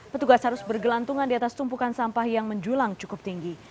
petugas harus bergelantungan di atas tumpukan sampah yang menjulang cukup tinggi